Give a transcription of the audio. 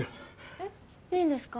えっいいんですか？